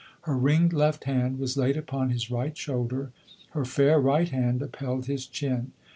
Her ringed left hand was laid upon his right shoulder, her fair right hand upheld his chin.